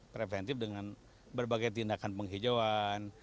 preventif dengan berbagai tindakan penghijauan